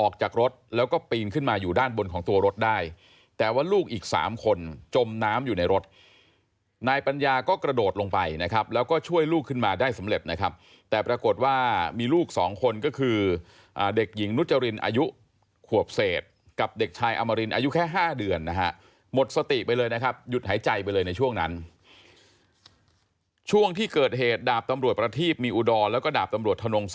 ออกจากรถแล้วก็ปีนขึ้นมาอยู่ด้านบนของตัวรถได้แต่ว่าลูกอีก๓คนจมน้ำอยู่ในรถนายปัญญาก็กระโดดลงไปนะครับแล้วก็ช่วยลูกขึ้นมาได้สำเร็จนะครับแต่ปรากฏว่ามีลูกสองคนก็คือเด็กหญิงนุจรินอายุขวบเศษกับเด็กชายอมรินอายุแค่๕เดือนนะฮะหมดสติไปเลยนะครับหยุดหายใจไปเลยในช่วงนั้นช่วงที่เกิดเหตุดาบตำรวจประทีบมีอุดรแล้วก็ดาบตำรวจ